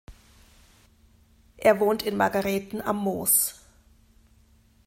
Er wohnt in Margarethen am Moos.